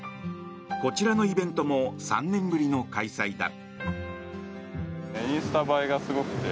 こちらのイベントも３年ぶりの開催だ。